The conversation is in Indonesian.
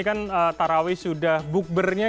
kan tarawees sudah book ber nya